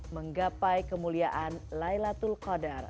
menggapai kemuliaan laylatul qadar